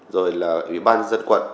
rồi là ủy ban dân quận